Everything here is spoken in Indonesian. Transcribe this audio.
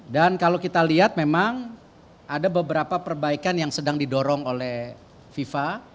dan kalau kita lihat memang ada beberapa perbaikan yang sedang didorong oleh fifa